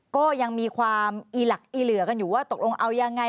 ก็ยังมีความอีหลักอีเหลือกันอยู่ว่าตกลงเอายังไง